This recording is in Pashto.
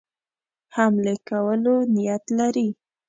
حملې کولو نیت لري.